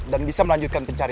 dan bisa melanjutkan penjajah